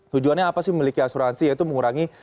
tujuannya apa sih memiliki asuransi yaitu mengurangi